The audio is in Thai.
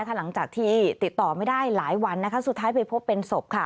หลังจากที่ติดต่อไม่ได้หลายวันสุดท้ายไปพบเป็นศพ